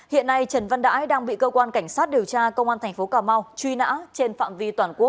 hiện nay trần văn đãi đang bị cơ quan cảnh sát điều tra công an tp cà mau truy nã trên phạm vi toàn quốc